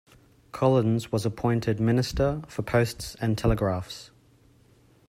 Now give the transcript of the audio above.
Collins was appointed Minister for Posts and Telegraphs.